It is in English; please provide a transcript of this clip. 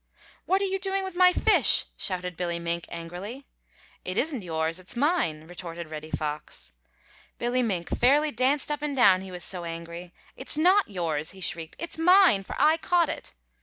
"What are you doing with my fish?" shouted Billy Mink angrily. "It isn't yours, it's mine!" retorted Reddy Fox. Billy Mink fairly danced up and down he was so angry. "It's not yours!" he shrieked. "It's mine, for I caught it!"